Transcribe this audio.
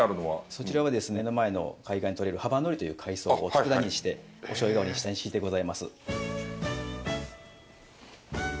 そちらはですね、目の前の海岸でとれるハバ海苔という海藻を佃煮にして、お醤油代わりに下に敷いてございます。